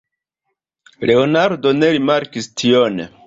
Leonardo ne rimarkis tion.